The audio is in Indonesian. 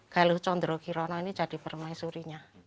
galuh chondrogirono ini jadi permaisurinya